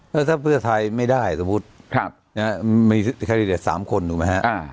แล้วแต่เพื่อไทยไม่ได้สมมุติมีคันดิเดตสามคนรู้ไหมครับ